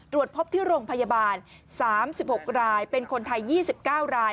พบที่โรงพยาบาล๓๖รายเป็นคนไทย๒๙ราย